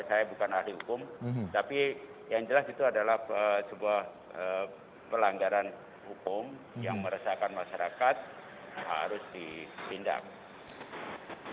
saya bukan ahli hukum tapi yang jelas itu adalah sebuah pelanggaran hukum yang meresahkan masyarakat harus ditindak